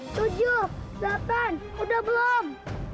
tujuh delapan udah belum